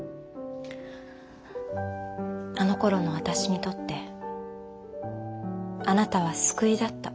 あのころの私にとってあなたは救いだった。